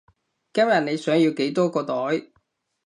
今日你想要幾多個袋？